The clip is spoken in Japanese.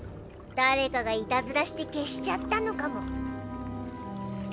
誰かがいたずらして消しちゃったのかも。